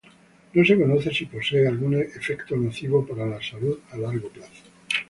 No se conoce si posee algún efecto nocivo para la salud a largo plazo.